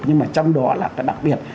nhưng mà trong đó là cái đặc biệt